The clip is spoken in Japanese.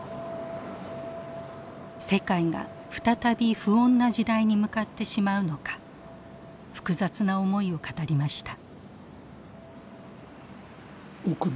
世界が再び不穏な時代に向かってしまうのか複雑な思いを語りました。